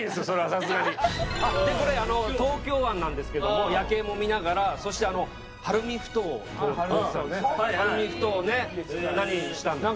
さすがにでこれ東京湾なんですけども夜景も見ながらそして晴海ふ頭を通るああ晴海ふ頭ね晴海ふ頭ね何したんだっけ